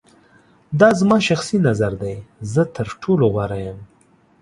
دا زما شخصی نظر دی. زه تر ټولو غوره یم.